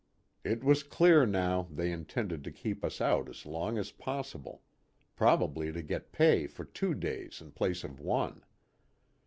It was clear now they intended to keep us out as long as possible ; probably to get pay for two days in place of one.